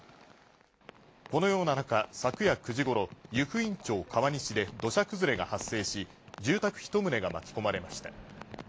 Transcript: このような中、昨夜９時ごろ湯布院町川西で、土砂崩れが発生し、住宅１棟が巻き込まれました。